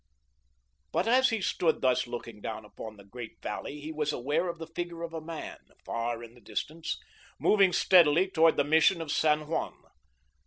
But as he stood thus looking down upon the great valley he was aware of the figure of a man, far in the distance, moving steadily towards the Mission of San Juan.